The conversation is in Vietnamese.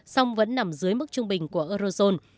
xong vẫn nằm dưới mức trung bình của eurozone